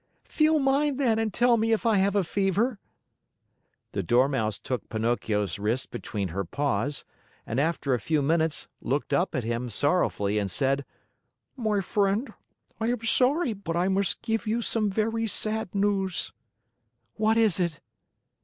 "Feel mine then and tell me if I have a fever." The Dormouse took Pinocchio's wrist between her paws and, after a few minutes, looked up at him sorrowfully and said: "My friend, I am sorry, but I must give you some very sad news." "What is it?"